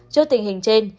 trước tình hình trên